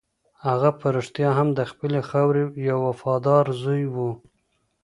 هغه په رښتیا هم د خپلې خاورې یو وفادار زوی و.